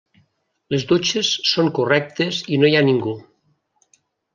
Les dutxes són correctes i no hi ha ningú.